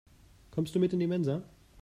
Kommst du mit in die Mensa?